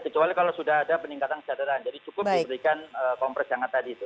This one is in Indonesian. kecuali kalau sudah ada peningkatan kesadaran jadi cukup diberikan kompres hangat tadi itu